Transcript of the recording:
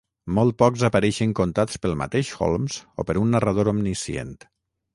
Molt pocs apareixen contats pel mateix Holmes o per un narrador omniscient.